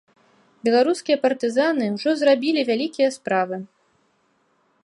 Беларускія партызаны ўжо зрабілі вялікія справы.